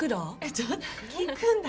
ちょっ聞くんだ。